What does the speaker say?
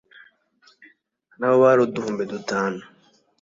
na bo bari uduhumbi dutanu